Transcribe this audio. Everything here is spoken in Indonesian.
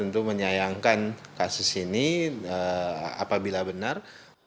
untuk menyayangkan kasus ini apabila benar